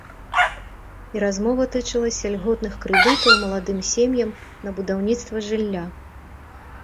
І размова тычылася льготных крэдытаў маладым сем'ям на будаўніцтва жылля.